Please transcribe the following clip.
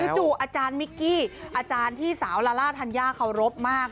จู่อาจารย์มิกกี้อาจารย์ที่สาวลาล่าธัญญาเคารพมาก